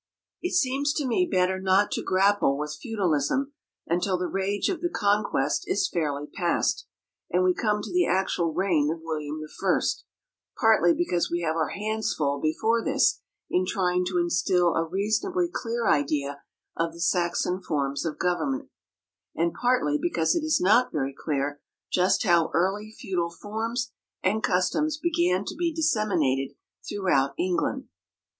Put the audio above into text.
It seems to me better not to grapple with feudalism until the rage of the Conquest is fairly passed, and we come to the actual reign of William I, partly because we have our hands full before this in trying to instil a reasonably clear idea of the Saxon forms of government, and partly because it is not very clear just how early feudal forms and customs began to be disseminated throughout England.